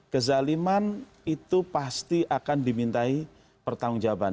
kezaliman itu pasti akan dimintai pertanggung jawaban